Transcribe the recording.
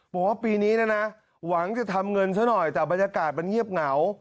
บอกว่าปีนี้นะนะหวังจะทำเงินซะหน่อยแต่บรรยากาศมันเงียบเหงา